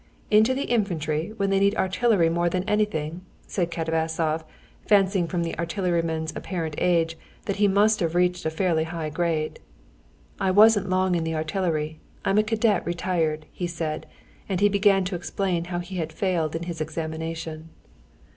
"Into the infantry when they need artillery more than anything?" said Katavasov, fancying from the artilleryman's apparent age that he must have reached a fairly high grade. "I wasn't long in the artillery; I'm a cadet retired," he said, and he began to explain how he had failed in his examination.